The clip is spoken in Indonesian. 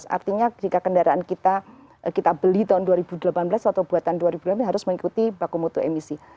artinya jika kendaraan kita kita beli tahun dua ribu delapan belas atau buatan dua ribu delapan harus mengikuti baku mutu emisi